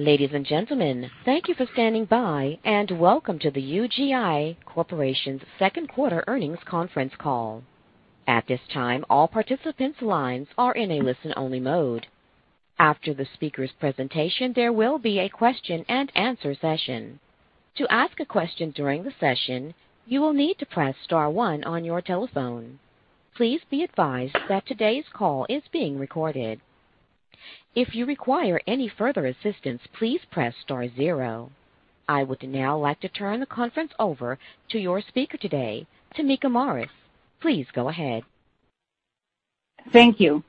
Ladies and gentlemen, thank you for standing by, and welcome to the UGI Corporation's second quarter earnings conference call. At this time, all participants' lines are in a listen-only mode. After the speaker's presentation, there will be a question and answer session. To ask a question during the session, you will need to press star one on your telephone. Please be advised that today's call is being recorded. If you require any further assistance, please press star zero. I would now like to turn the conference over to your speaker today, Tameka Morris. Please go ahead. Thank you.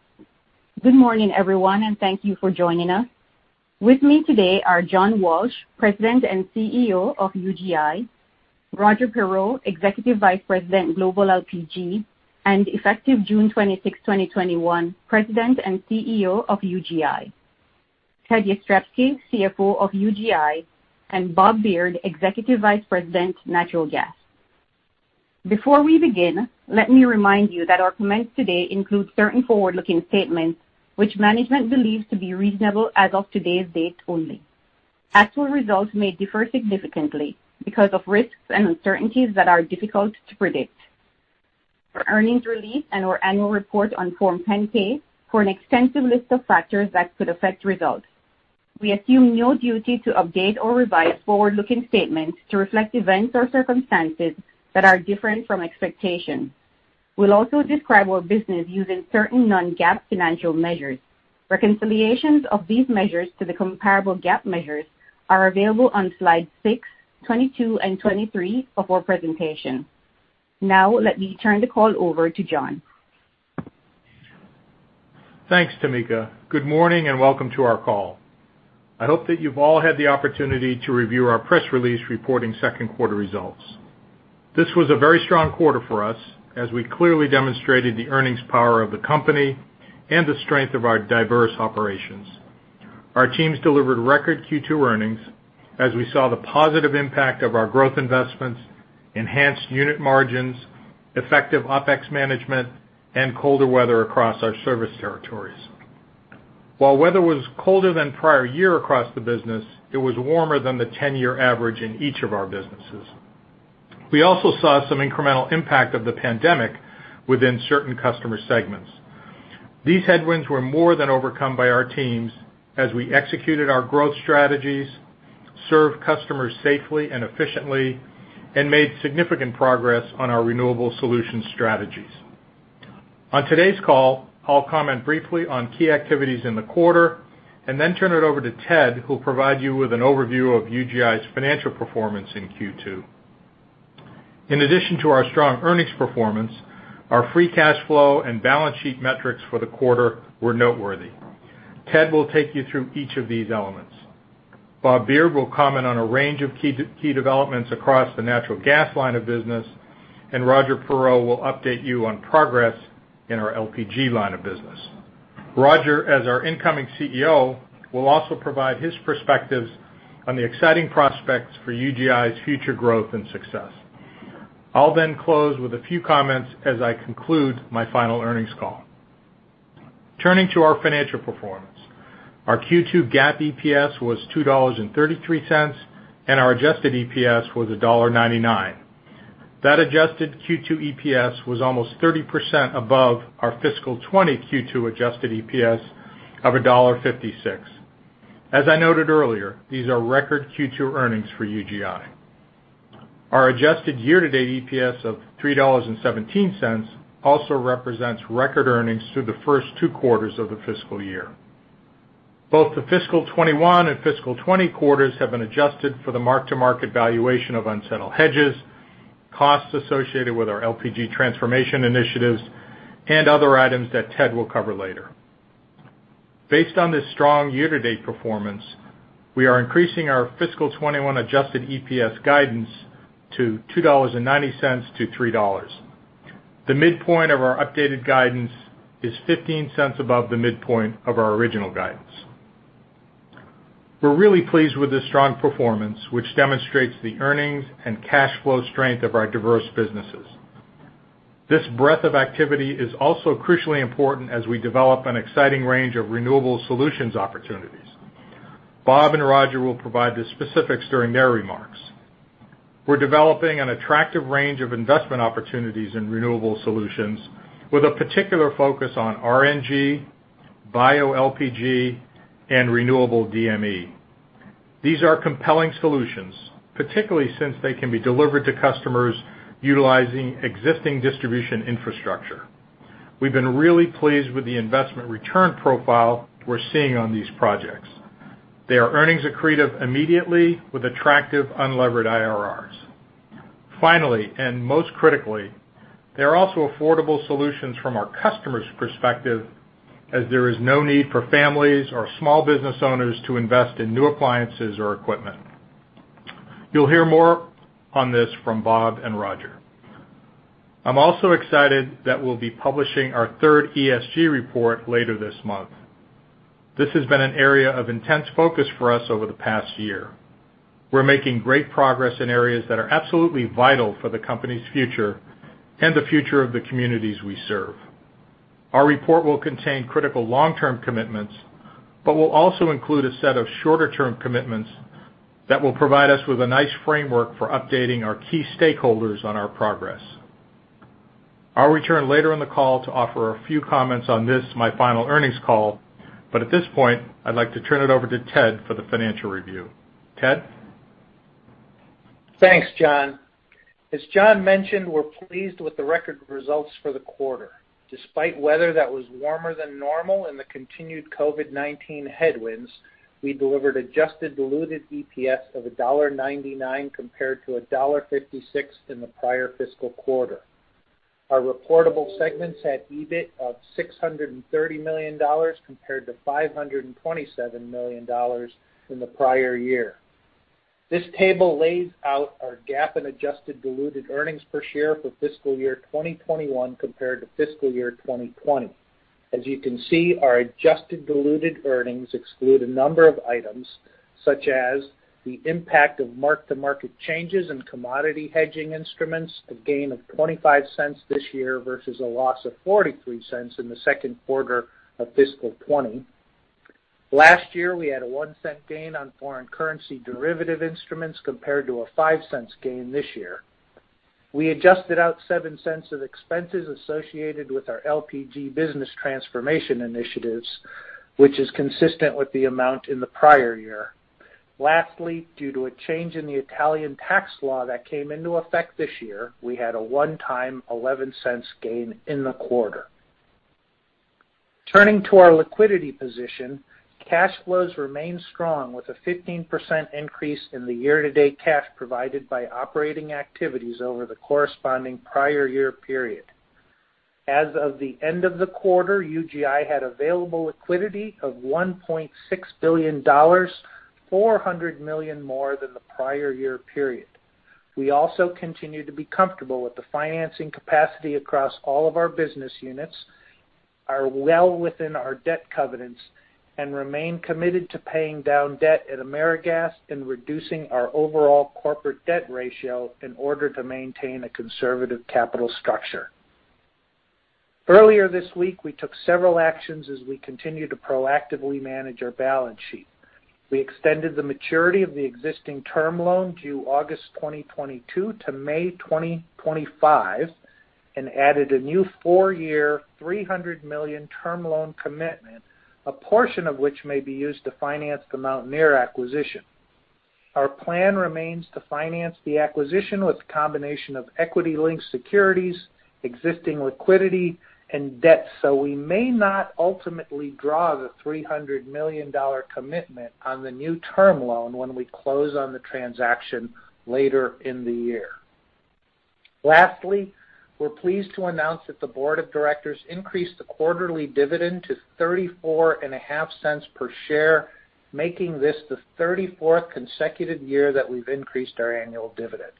Good morning, everyone, and thank you for joining us. With me today are John Walsh, President and CEO of UGI. Roger Perreault, Executive Vice President, Global LPG, and effective June 26, 2021, President and CEO of UGI. Ted Jastrzebski, CFO of UGI, and Bob Beard, Executive Vice President, Natural Gas. Before we begin, let me remind you that our comments today include certain forward-looking statements which management believes to be reasonable as of today's date only. Actual results may differ significantly because of risks and uncertainties that are difficult to predict. Our earnings release and our annual report on Form 10-K for an extensive list of factors that could affect results. We assume no duty to update or revise forward-looking statements to reflect events or circumstances that are different from expectations. We'll also describe our business using certain non-GAAP financial measures. Reconciliations of these measures to the comparable GAAP measures are available on slide six, 22, and 23 of our presentation. Now, let me turn the call over to John. Thanks, Tameka. Good morning and welcome to our call. I hope that you've all had the opportunity to review our press release reporting second-quarter results. This was a very strong quarter for us as we clearly demonstrated the earnings power of the company and the strength of our diverse operations. Our teams delivered record Q2 earnings as we saw the positive impact of our growth investments, enhanced unit margins, effective OpEx management, and colder weather across our service territories. While weather was colder than prior year across the business, it was warmer than the 10-year average in each of our businesses. We also saw some incremental impact of the pandemic within certain customer segments. These headwinds were more than overcome by our teams as we executed our growth strategies, served customers safely and efficiently, and made significant progress on our renewable solution strategies. On today's call, I'll comment briefly on key activities in the quarter and then turn it over to Ted, who'll provide you with an overview of UGI's financial performance in Q2. In addition to our strong earnings performance, our free cash flow and balance sheet metrics for the quarter were noteworthy. Ted will take you through each of these elements. Bob Beard will comment on a range of key developments across the natural gas line of business, and Roger Perreault will update you on progress in our LPG line of business. Roger, as our incoming CEO, will also provide his perspectives on the exciting prospects for UGI's future growth and success. I'll then close with a few comments as I conclude my final earnings call. Turning to our financial performance, our Q2 GAAP EPS was $2.33, and our adjusted EPS was $1.99. That adjusted Q2 EPS was almost 30% above our fiscal 2020 Q2 adjusted EPS of $1.56. As I noted earlier, these are record Q2 earnings for UGI. Our adjusted year-to-date EPS of $3.17 also represents record earnings through the first two quarters of the fiscal year. Both the fiscal 2021 and fiscal 2020 quarters have been adjusted for the mark-to-market valuation of unsettled hedges, costs associated with our LPG transformation initiatives, and other items that Ted will cover later. Based on this strong year-to-date performance, we are increasing our fiscal 2021 adjusted EPS guidance to $2.90-$3. The midpoint of our updated guidance is $0.15 above the midpoint of our original guidance. We're really pleased with this strong performance, which demonstrates the earnings and cash flow strength of our diverse businesses. This breadth of activity is also crucially important as we develop an exciting range of renewable solutions opportunities. Bob and Roger will provide the specifics during their remarks. We're developing an attractive range of investment opportunities in renewable solutions with a particular focus on RNG, bioLPG, and renewable DME. These are compelling solutions, particularly since they can be delivered to customers utilizing existing distribution infrastructure. We've been really pleased with the investment return profile we're seeing on these projects. They are earnings accretive immediately with attractive unlevered IRRs. Finally, and most critically, they are also affordable solutions from our customer's perspective as there is no need for families or small business owners to invest in new appliances or equipment. You'll hear more on this from Bob and Roger. I'm also excited that we'll be publishing our third ESG report later this month. This has been an area of intense focus for us over the past year. We're making great progress in areas that are absolutely vital for the company's future and the future of the communities we serve. Our report will contain critical long-term commitments, will also include a set of shorter-term commitments that will provide us with a nice framework for updating our key stakeholders on our progress. I'll return later in the call to offer a few comments on this, my final earnings call. At this point, I'd like to turn it over to Ted for the financial review. Ted? Thanks, John. As John mentioned, we're pleased with the record results for the quarter. Despite weather that was warmer than normal and the continued COVID-19 headwinds, we delivered adjusted diluted EPS of $1.99 compared to $1.56 in the prior fiscal quarter. Our reportable segments had EBIT of $630 million compared to $527 million in the prior year. This table lays out our GAAP and adjusted diluted earnings per share for fiscal year 2021 compared to fiscal year 2020. As you can see, our adjusted diluted earnings exclude a number of items, such as the impact of mark-to-market changes in commodity hedging instruments, a gain of $0.25 this year versus a loss of $0.43 in the second quarter of fiscal 2020. Last year, we had a $0.01 gain on foreign currency derivative instruments compared to a $0.05 gain this year. We adjusted out $0.07 of expenses associated with our LPG business transformation initiatives, which is consistent with the amount in the prior year. Lastly, due to a change in the Italian tax law that came into effect this year, we had a one-time $0.11 gain in the quarter. Turning to our liquidity position, cash flows remain strong with a 15% increase in the year-to-date cash provided by operating activities over the corresponding prior year period. As of the end of the quarter, UGI had available liquidity of $1.6 billion, $400 million more than the prior year period. We also continue to be comfortable with the financing capacity across all of our business units, are well within our debt covenants, and remain committed to paying down debt at AmeriGas and reducing our overall corporate debt ratio in order to maintain a conservative capital structure. Earlier this week, we took several actions as we continue to proactively manage our balance sheet. We extended the maturity of the existing term loan due August 2022 to May 2025 and added a new four-year, $300 million term loan commitment, a portion of which may be used to finance the Mountaineer acquisition. Our plan remains to finance the acquisition with a combination of equity-linked securities, existing liquidity, and debt. We may not ultimately draw the $300 million commitment on the new term loan when we close on the transaction later in the year. Lastly, we're pleased to announce that the board of directors increased the quarterly dividend to $0.345 per share, making this the 34th consecutive year that we've increased our annual dividend.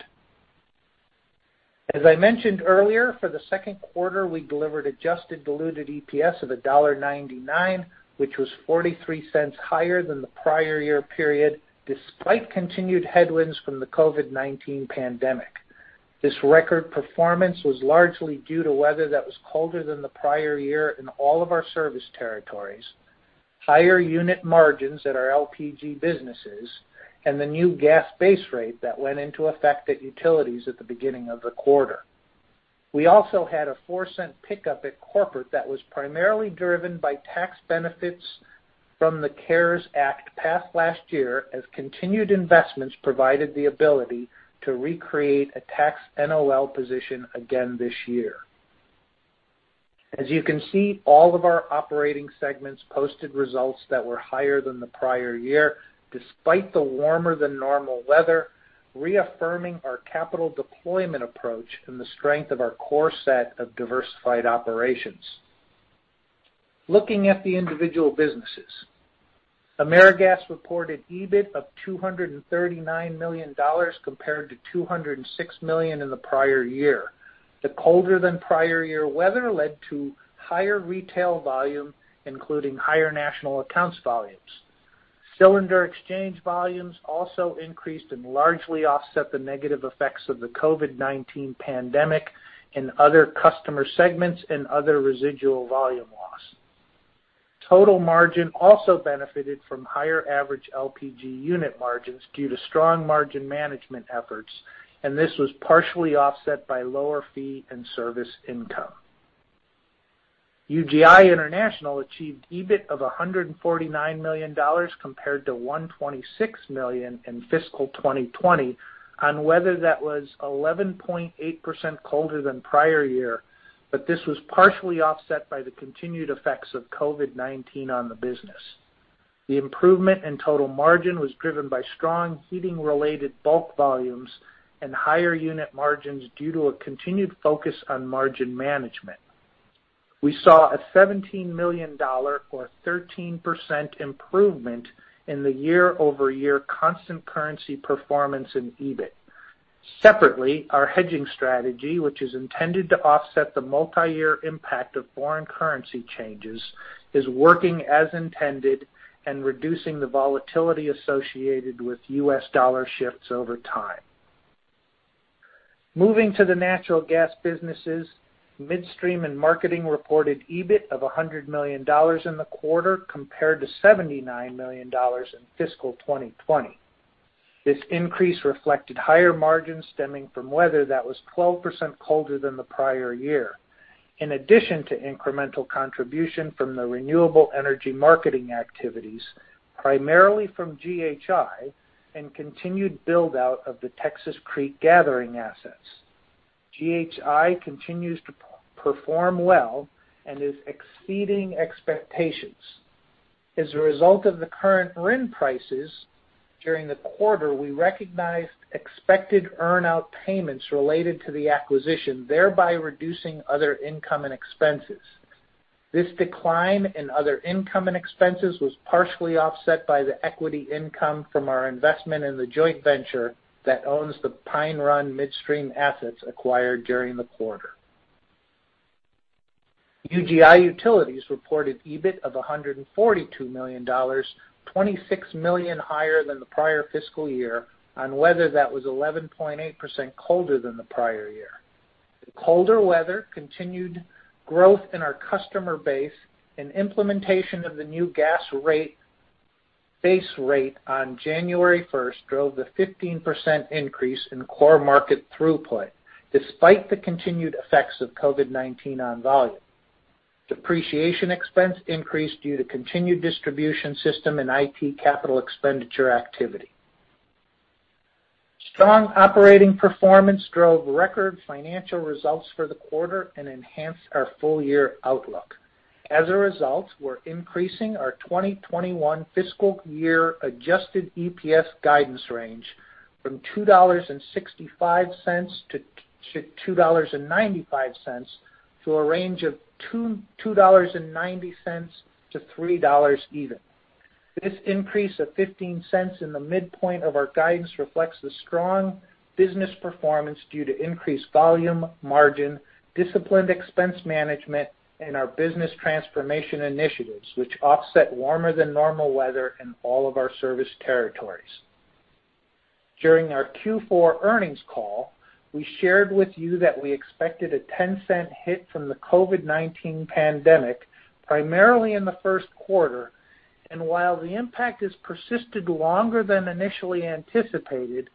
As I mentioned earlier, for the second quarter, we delivered adjusted diluted EPS of $1.99, which was $0.43 higher than the prior year period, despite continued headwinds from the COVID-19 pandemic. This record performance was largely due to weather that was colder than the prior year in all of our service territories, higher unit margins at our LPG businesses, and the new gas base rate that went into effect at Utilities at the beginning of the quarter. We also had a $0.04 pickup at Corporate that was primarily driven by tax benefits from the CARES Act passed last year, as continued investments provided the ability to recreate a tax NOL position again this year. As you can see, all of our operating segments posted results that were higher than the prior year, despite the warmer-than-normal weather, reaffirming our capital deployment approach and the strength of our core set of diversified operations. Looking at the individual businesses. AmeriGas reported EBIT of $239 million compared to $206 million in the prior year. The colder-than-prior year weather led to higher retail volume, including higher National Accounts volumes. Cylinder exchange volumes also increased and largely offset the negative effects of the COVID-19 pandemic in other customer segments and other residual volume loss. Total margin also benefited from higher average LPG unit margins due to strong margin management efforts, and this was partially offset by lower fee and service income. UGI International achieved EBIT of $149 million compared to $126 million in fiscal 2020 on weather that was 11.8% colder than prior year. This was partially offset by the continued effects of COVID-19 on the business. The improvement in total margin was driven by strong heating-related bulk volumes and higher unit margins due to a continued focus on margin management. We saw a $17 million or 13% improvement in the year-over-year constant currency performance in EBIT. Separately, our hedging strategy, which is intended to offset the multi-year impact of foreign currency changes, is working as intended and reducing the volatility associated with U.S. dollar shifts over time. Moving to the natural gas businesses, Midstream and Marketing reported EBIT of $100 million in the quarter compared to $79 million in fiscal 2020. This increase reflected higher margins stemming from weather that was 12% colder than the prior year. In addition to incremental contribution from the renewable energy marketing activities, primarily from GHI, and continued build-out of the Texas Creek gathering assets. GHI continues to perform well and is exceeding expectations. As a result of the current RIN prices during the quarter, we recognized expected earn-out payments related to the acquisition, thereby reducing other income and expenses. This decline in other income and expenses was partially offset by the equity income from our investment in the joint venture that owns the Pine Run Midstream assets acquired during the quarter. UGI Utilities reported EBIT of $142 million, $26 million higher than the prior fiscal year on weather that was 11.8% colder than the prior year. The colder weather continued growth in our customer base and implementation of the new gas base rate on January 1st drove the 15% increase in core market throughput, despite the continued effects of COVID-19 on volume. Depreciation expense increased due to continued distribution system and IT capital expenditure activity. Strong operating performance drove record financial results for the quarter and enhanced our full-year outlook. As a result, we're increasing our 2021 fiscal year adjusted EPS guidance range from $2.65-$2.95 to a range of $2.90-$3.00 even. This increase of $0.15 in the midpoint of our guidance reflects the strong business performance due to increased volume, margin, disciplined expense management, and our business transformation initiatives, which offset warmer-than-normal weather in all of our service territories. During our Q4 earnings call, we shared with you that we expected a $0.10 hit from the COVID-19 pandemic, primarily in the first quarter. While the impact has persisted longer than initially anticipated,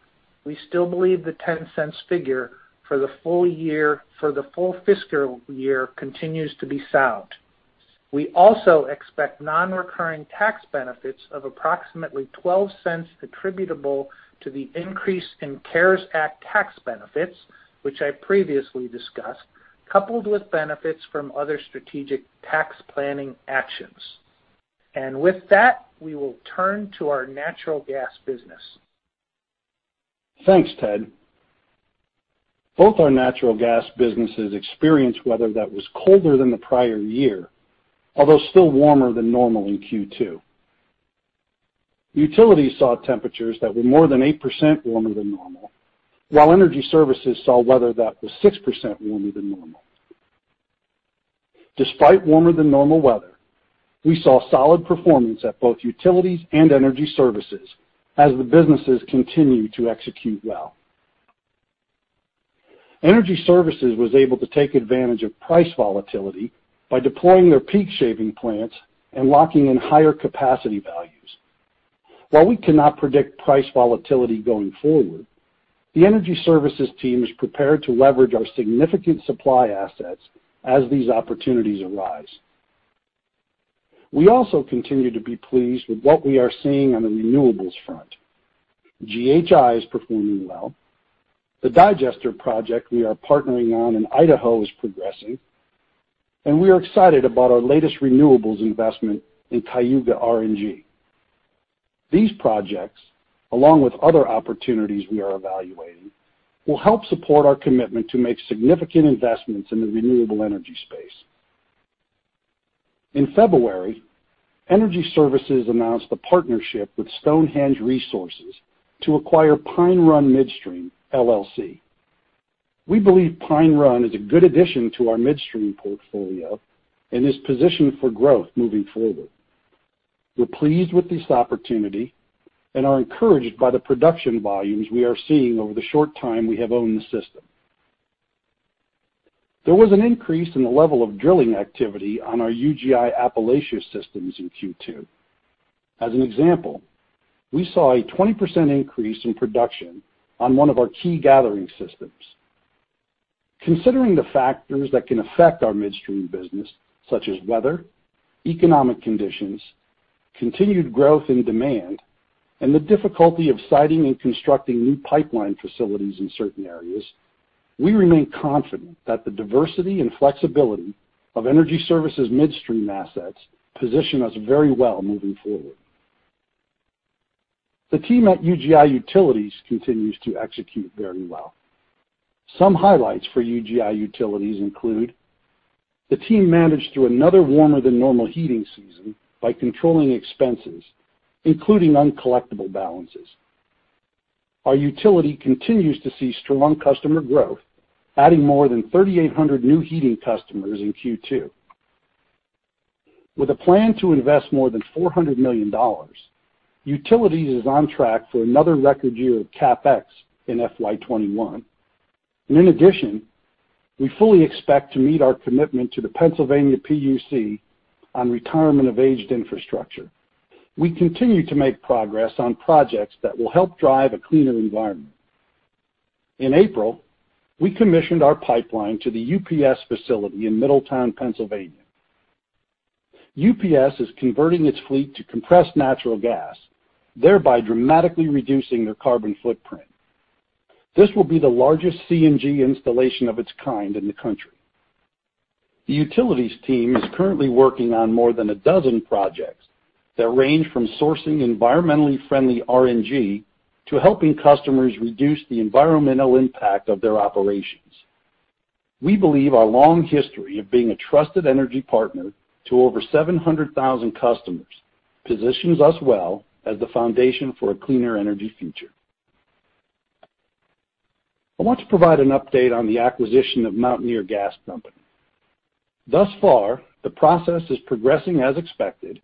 we still believe the $0.10 figure for the full fiscal year continues to be sound. We also expect non-recurring tax benefits of approximately $0.12 attributable to the increase in CARES Act tax benefits, which I previously discussed, coupled with benefits from other strategic tax planning actions. With that, we will turn to our natural gas business. Thanks, Ted. Both our natural gas businesses experienced weather that was colder than the prior year, although still warmer than normal in Q2. Utilities saw temperatures that were more than 8% warmer than normal, while Energy Services saw weather that was 6% warmer than normal. Despite warmer than normal weather, we saw solid performance at both Utilities and Energy Services as the businesses continue to execute well. Energy Services was able to take advantage of price volatility by deploying their peak shaving plants and locking in higher capacity values. While we cannot predict price volatility going forward, the Energy Services team is prepared to leverage our significant supply assets as these opportunities arise. We also continue to be pleased with what we are seeing on the renewables front. GHI is performing well. The digester project we are partnering on in Idaho is progressing, and we are excited about our latest renewables investment in Cayuga RNG. These projects, along with other opportunities we are evaluating, will help support our commitment to make significant investments in the renewable energy space. In February, Energy Services announced a partnership with Stonehenge Resources to acquire Pine Run Midstream, LLC. We believe Pine Run is a good addition to our midstream portfolio and is positioned for growth moving forward. We're pleased with this opportunity and are encouraged by the production volumes we are seeing over the short time we have owned the system. There was an increase in the level of drilling activity on our UGI Appalachia systems in Q2. As an example, we saw a 20% increase in production on one of our key gathering systems. Considering the factors that can affect our Midstream business, such as weather, economic conditions, continued growth in demand, and the difficulty of siting and constructing new pipeline facilities in certain areas, we remain confident that the diversity and flexibility of Energy Services midstream assets position us very well moving forward. The team at UGI Utilities continues to execute very well. Some highlights for UGI Utilities include the team managed through another warmer-than-normal heating season by controlling expenses, including uncollectible balances. Our utility continues to see strong customer growth, adding more than 3,800 new heating customers in Q2. With a plan to invest more than $400 million, Utilities is on track for another record year of CapEx in FY 2021. In addition, we fully expect to meet our commitment to the Pennsylvania PUC on retirement of aged infrastructure. We continue to make progress on projects that will help drive a cleaner environment. In April, we commissioned our pipeline to the UPS facility in Middletown, Pennsylvania. UPS is converting its fleet to compressed natural gas, thereby dramatically reducing their carbon footprint. This will be the largest CNG installation of its kind in the country. The Utilities team is currently working on more than a dozen projects that range from sourcing environmentally friendly RNG to helping customers reduce the environmental impact of their operations. We believe our long history of being a trusted energy partner to over 700,000 customers positions us well as the foundation for a cleaner energy future. I want to provide an update on the acquisition of Mountaineer Gas Company. Thus far, the process is progressing as expected,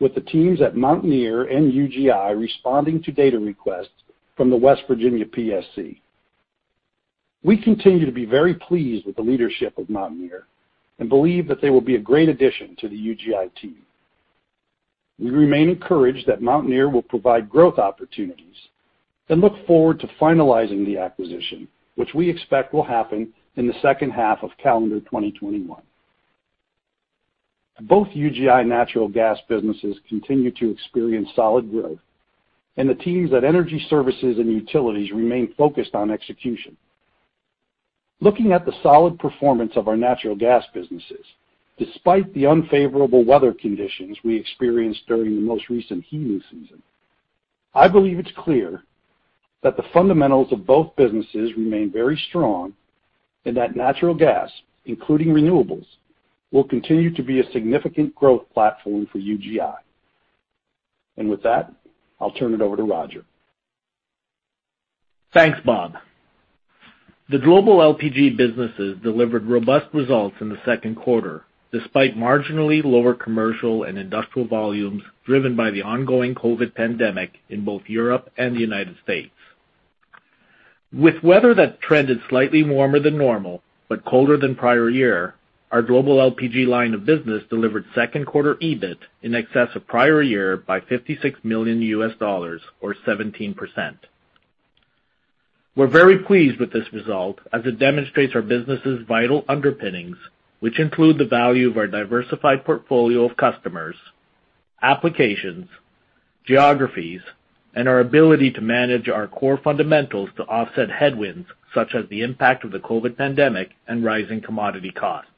with the teams at Mountaineer and UGI responding to data requests from the West Virginia PSC. We continue to be very pleased with the leadership of Mountaineer and believe that they will be a great addition to the UGI team. We remain encouraged that Mountaineer will provide growth opportunities and look forward to finalizing the acquisition, which we expect will happen in the second half of calendar 2021. Both UGI natural gas businesses continue to experience solid growth, and the teams at Energy Services and Utilities remain focused on execution. Looking at the solid performance of our natural gas businesses, despite the unfavorable weather conditions we experienced during the most recent heating season, I believe it's clear that the fundamentals of both businesses remain very strong and that natural gas, including renewables, will continue to be a significant growth platform for UGI. With that, I'll turn it over to Roger. Thanks, Bob. The global LPG businesses delivered robust results in the second quarter, despite marginally lower commercial and industrial volumes driven by the ongoing COVID pandemic in both Europe and the United States. With weather that trended slightly warmer than normal but colder than prior year, our global LPG line of business delivered second quarter EBIT in excess of prior year by $56 million, or 17%. We're very pleased with this result as it demonstrates our business' vital underpinnings, which include the value of our diversified portfolio of customers, applications, geographies, and our ability to manage our core fundamentals to offset headwinds such as the impact of the COVID pandemic and rising commodity costs.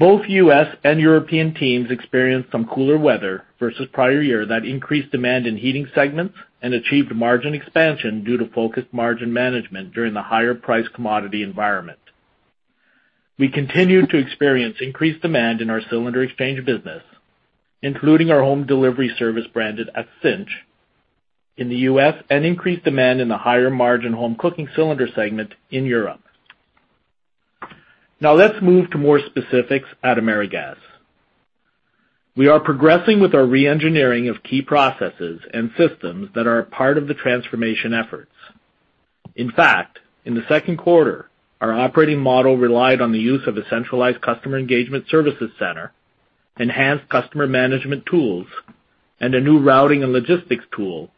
Both U.S. and European teams experienced some cooler weather versus prior year that increased demand in heating segments and achieved margin expansion due to focused margin management during the higher-priced commodity environment. We continued to experience increased demand in our cylinder exchange business, including our home delivery service branded as Cynch in the U.S., and increased demand in the higher-margin home cooking cylinder segment in Europe. Let's move to more specifics at AmeriGas. We are progressing with our re-engineering of key processes and systems that are a part of the transformation efforts. In fact, in the second quarter, our operating model relied on the use of a centralized customer engagement services center, enhanced customer management tools, and a new routing and logistics tool,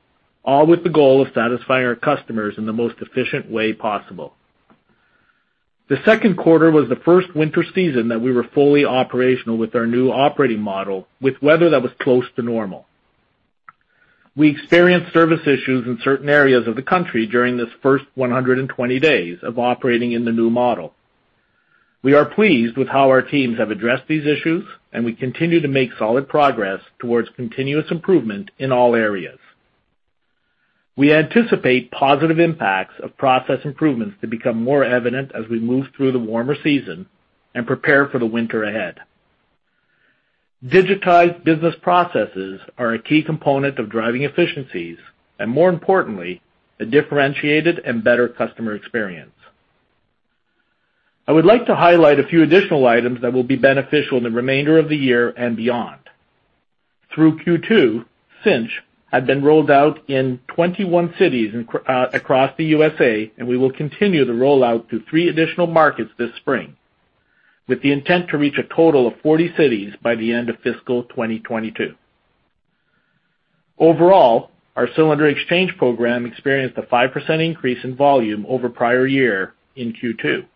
all with the goal of satisfying our customers in the most efficient way possible. The second quarter was the first winter season that we were fully operational with our new operating model with weather that was close to normal. We experienced service issues in certain areas of the country during this first 120 days of operating in the new model. We are pleased with how our teams have addressed these issues, and we continue to make solid progress towards continuous improvement in all areas. We anticipate positive impacts of process improvements to become more evident as we move through the warmer season and prepare for the winter ahead. Digitized business processes are a key component of driving efficiencies, and more importantly, a differentiated and better customer experience. I would like to highlight a few additional items that will be beneficial in the remainder of the year and beyond. Through Q2, Cinch had been rolled out in 21 cities across the U.S.A., and we will continue the rollout to three additional markets this spring, with the intent to reach a total of 40 cities by the end of fiscal 2022. Overall, our cylinder exchange program experienced a 5% increase in volume over prior year in Q2.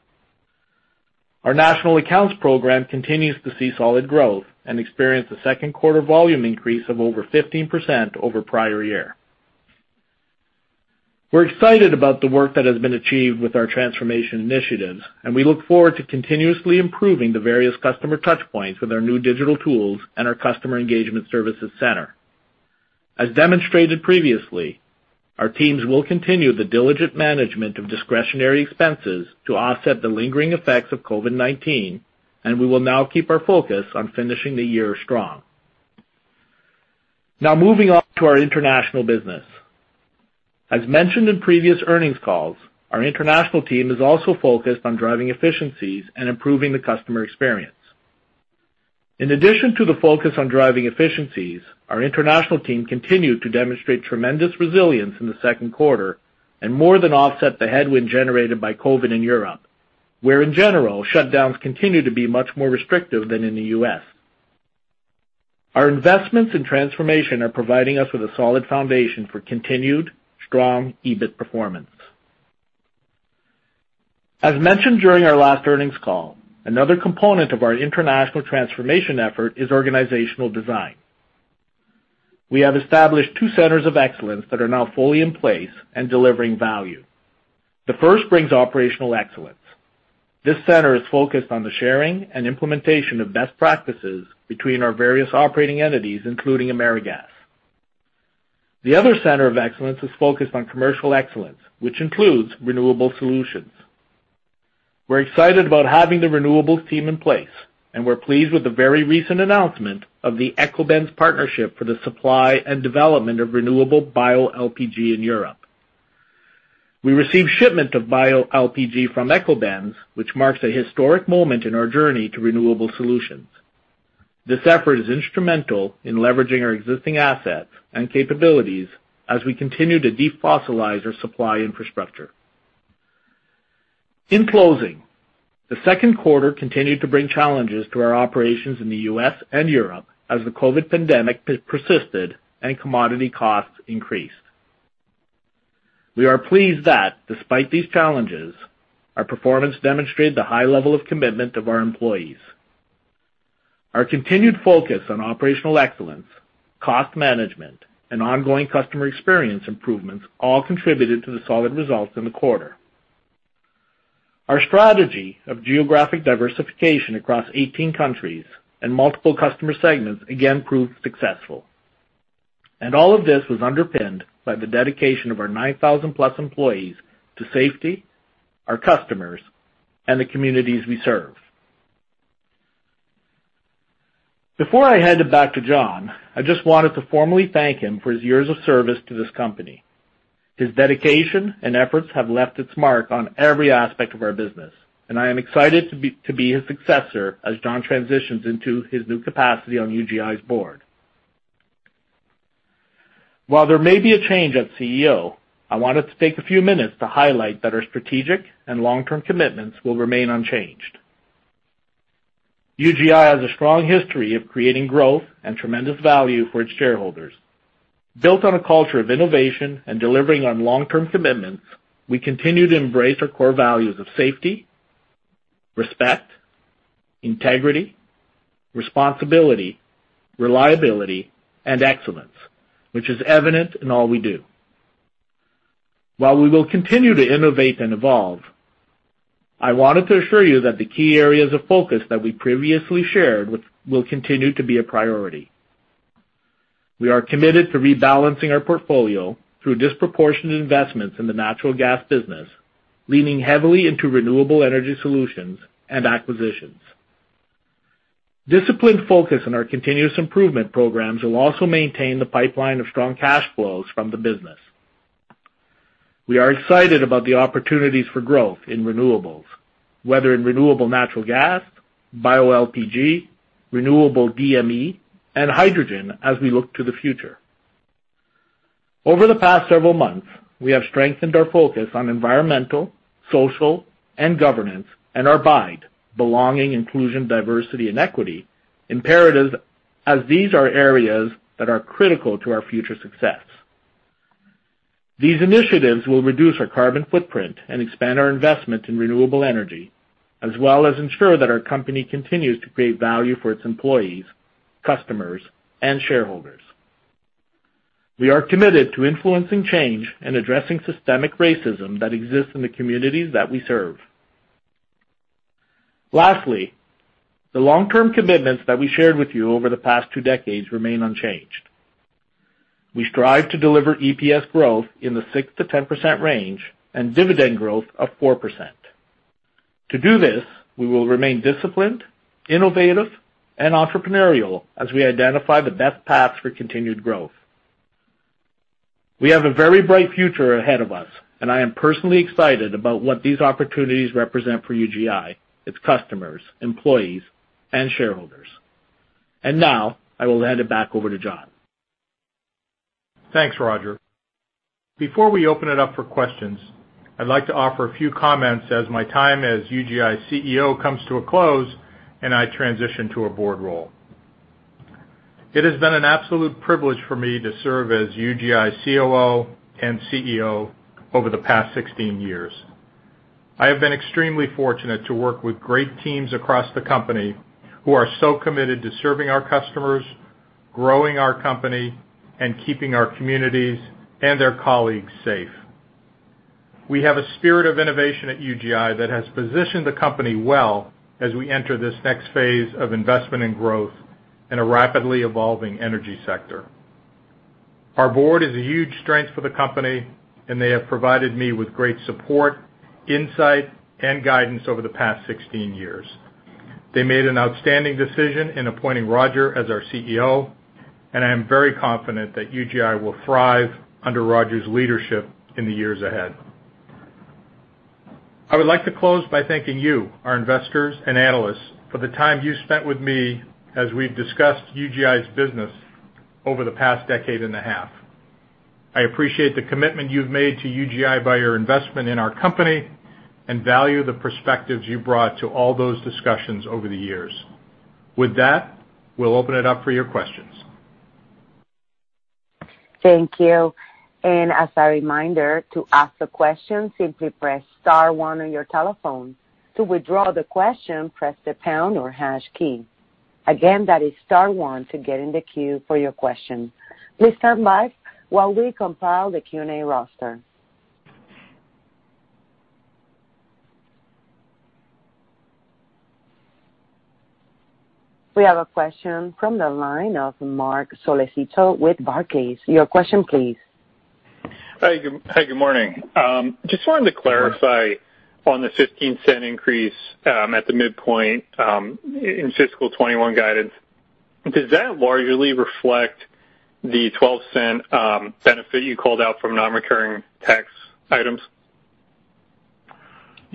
Our national accounts program continues to see solid growth and experienced a second quarter volume increase of over 15% over prior year. We're excited about the work that has been achieved with our transformation initiatives, and we look forward to continuously improving the various customer touchpoints with our new digital tools and our customer engagement services center. As demonstrated previously, our teams will continue the diligent management of discretionary expenses to offset the lingering effects of COVID-19, and we will now keep our focus on finishing the year strong. Now moving on to our international business. As mentioned in previous earnings calls, our international team is also focused on driving efficiencies and improving the customer experience. In addition to the focus on driving efficiencies, our international team continued to demonstrate tremendous resilience in the second quarter and more than offset the headwind generated by COVID in Europe, where in general, shutdowns continue to be much more restrictive than in the U.S. Our investments in transformation are providing us with a solid foundation for continued strong EBIT performance. As mentioned during our last earnings call, another component of our international transformation effort is organizational design. We have established two centers of excellence that are now fully in place and delivering value. The first brings operational excellence. This center is focused on the sharing and implementation of best practices between our various operating entities, including AmeriGas. The other center of excellence is focused on commercial excellence, which includes renewable solutions. We're excited about having the renewables team in place, and we're pleased with the very recent announcement of the Ekobenz partnership for the supply and development of renewable bioLPG in Europe. We received shipment of bioLPG from Ekobenz, which marks a historic moment in our journey to renewable solutions. This effort is instrumental in leveraging our existing assets and capabilities as we continue to defossilize our supply infrastructure. In closing, the second quarter continued to bring challenges to our operations in the U.S. and Europe as the COVID pandemic persisted and commodity costs increased. We are pleased that despite these challenges, our performance demonstrated the high level of commitment of our employees. Our continued focus on operational excellence, cost management, and ongoing customer experience improvements all contributed to the solid results in the quarter. Our strategy of geographic diversification across 18 countries and multiple customer segments again proved successful. All of this was underpinned by the dedication of our 9,000-plus employees to safety, our customers, and the communities we serve. Before I hand it back to John, I just wanted to formally thank him for his years of service to this company. His dedication and efforts have left its mark on every aspect of our business, and I am excited to be his successor as John transitions into his new capacity on UGI's board. While there may be a change at CEO, I wanted to take a few minutes to highlight that our strategic and long-term commitments will remain unchanged. UGI has a strong history of creating growth and tremendous value for its shareholders. Built on a culture of innovation and delivering on long-term commitments, we continue to embrace our core values of safety, respect, integrity, responsibility, reliability, and excellence, which is evident in all we do. While we will continue to innovate and evolve, I wanted to assure you that the key areas of focus that we previously shared will continue to be a priority. We are committed to rebalancing our portfolio through disproportionate investments in the natural gas business, leaning heavily into renewable energy solutions and acquisitions. Disciplined focus on our continuous improvement programs will also maintain the pipeline of strong cash flows from the business. We are excited about the opportunities for growth in renewables, whether in renewable natural gas, bioLPG, renewable DME, and hydrogen as we look to the future. Over the past several months, we have strengthened our focus on environmental, social, and governance, and our BIDE, belonging, inclusion, diversity, and equity, imperatives, as these are areas that are critical to our future success. These initiatives will reduce our carbon footprint and expand our investment in renewable energy, as well as ensure that our company continues to create value for its employees, customers, and shareholders. We are committed to influencing change and addressing systemic racism that exists in the communities that we serve. Lastly, the long-term commitments that we shared with you over the past two decades remain unchanged. We strive to deliver EPS growth in the 6%-10% range and dividend growth of 4%. To do this, we will remain disciplined, innovative, and entrepreneurial as we identify the best paths for continued growth. We have a very bright future ahead of us, and I am personally excited about what these opportunities represent for UGI, its customers, employees, and shareholders. Now, I will hand it back over to John. Thanks, Roger. Before we open it up for questions, I'd like to offer a few comments as my time as UGI CEO comes to a close and I transition to a board role. It has been an absolute privilege for me to serve as UGI COO and CEO over the past 16 years. I have been extremely fortunate to work with great teams across the company who are so committed to serving our customers, growing our company, and keeping our communities and their colleagues safe. We have a spirit of innovation at UGI that has positioned the company well as we enter this next phase of investment and growth in a rapidly evolving energy sector. Our board is a huge strength for the company. They have provided me with great support, insight, and guidance over the past 16 years. They made an outstanding decision in appointing Roger as our CEO, and I am very confident that UGI will thrive under Roger's leadership in the years ahead. I would like to close by thanking you, our investors and analysts, for the time you spent with me as we've discussed UGI's business over the past decade and a half. I appreciate the commitment you've made to UGI by your investment in our company and value the perspectives you brought to all those discussions over the years. With that, we'll open it up for your questions. Thank you. As a reminder, to ask a question, simply press star one on your telephone. To withdraw the question, press the pound or hash key. Again, that is star one to get in the queue for your question. Please stand by while we compile the Q&A roster. We have a question from the line of Marc Solecitto with Barclays. Your question please. Hi, good morning. Just wanted to clarify on the $0.15 increase at the midpoint in fiscal 2021 guidance. Does that largely reflect the $0.12 benefit you called out from non-recurring tax items?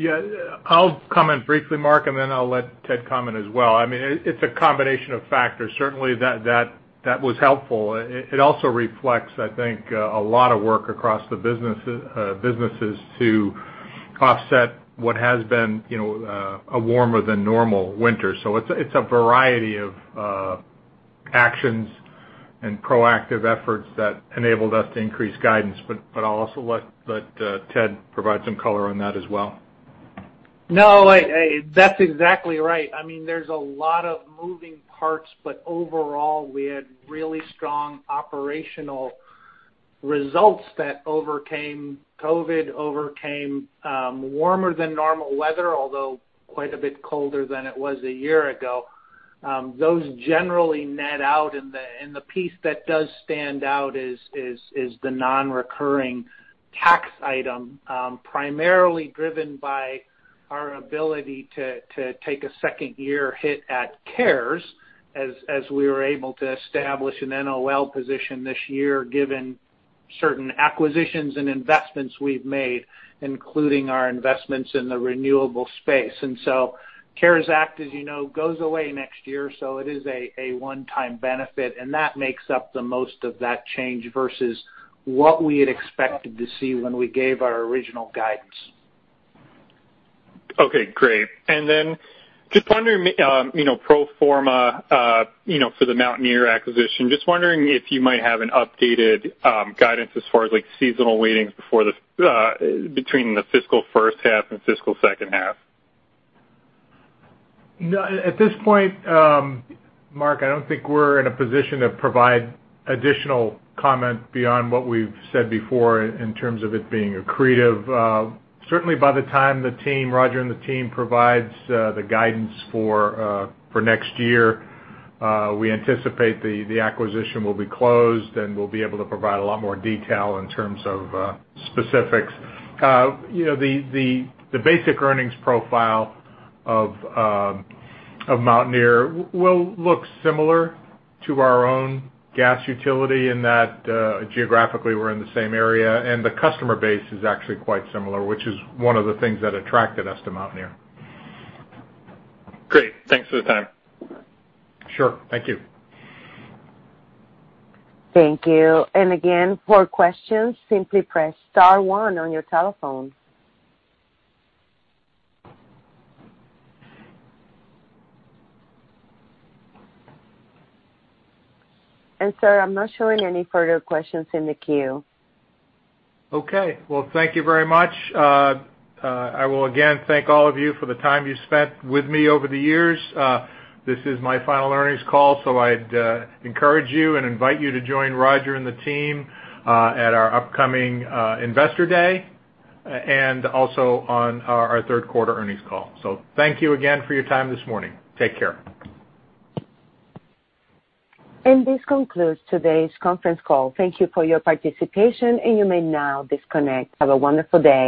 Yeah. I'll comment briefly, Marc, and then I'll let Ted comment as well. It's a combination of factors. Certainly, that was helpful. It also reflects, I think, a lot of work across the businesses to offset what has been a warmer than normal winter. It's a variety of actions and proactive efforts that enabled us to increase guidance. I'll also let Ted provide some color on that as well. No, that's exactly right. There's a lot of moving parts, but overall, we had really strong operational results that overcame COVID, overcame warmer than normal weather, although quite a bit colder than it was a year ago. Those generally net out, and the piece that does stand out is the non-recurring tax item, primarily driven by our ability to take a second-year hit at CARES as we were able to establish an NOL position this year given certain acquisitions and investments we've made, including our investments in the renewable space. CARES Act, as you know, goes away next year, so it is a one-time benefit, and that makes up the most of that change versus what we had expected to see when we gave our original guidance. Okay, great. Just wondering pro forma for the Mountaineer acquisition, just wondering if you might have an updated guidance as far as seasonal weightings between the fiscal first half and fiscal second half? No, at this point, Marc, I don't think we're in a position to provide additional comment beyond what we've said before in terms of it being accretive. Certainly, by the time Roger and the team provides the guidance for next year, we anticipate the acquisition will be closed, and we'll be able to provide a lot more detail in terms of specifics. The basic earnings profile of Mountaineer will look similar to our own gas utility in that geographically, we're in the same area, and the customer base is actually quite similar, which is one of the things that attracted us to Mountaineer. Great. Thanks for the time. Sure. Thank you. Thank you. Again, for questions, simply press star one on your telephone. Sir, I'm not showing any further questions in the queue. Okay. Well, thank you very much. I will, again, thank all of you for the time you spent with me over the years. This is my final earnings call, so I'd encourage you and invite you to join Roger and the team at our upcoming Investor Day and also on our third quarter earnings call. Thank you again for your time this morning. Take care. This concludes today's conference call. Thank you for your participation, and you may now disconnect. Have a wonderful day.